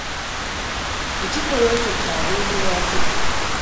Ekikolwa ekyo kya bwetoowaze.